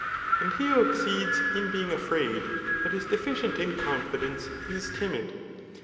And he who exceeds ih being afraid, but is deficient in confidence, is timid.